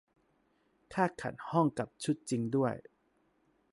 ค่าขัดห้องกับชุดจริงด้วย